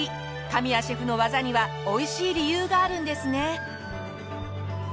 神谷シェフの技にはおいしい理由があるんですね。